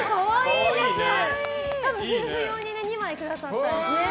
多分、夫婦用に２枚くださったんですね。